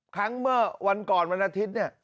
ครั้งเมื่อวันก่อนวันอาทิตย์เนี่ย